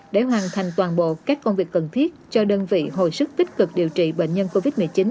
để hoàn thành toàn bộ các công việc cần thiết cho đơn vị hồi sức tích cực điều trị bệnh nhân covid một mươi chín